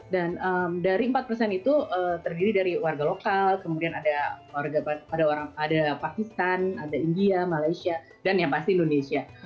dan dari empat persen itu terdiri dari warga lokal kemudian ada pakistan ada india malaysia dan yang pasti indonesia